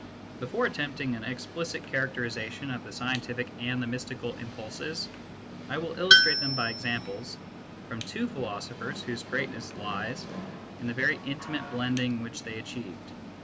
Before attempting an explicit characterisation of the scientific and the mystical impulses, I will illustrate them by examples from two philosophers whose great ness lies in the very intimate blending which they achieved.